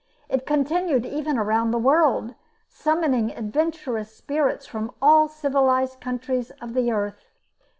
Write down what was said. It continued even around the world, summoning adventurous spirits from all civilized countries of the earth.